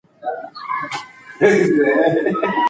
نوي شعري سبکونه د ځوانانو ترمنځ دود شوي.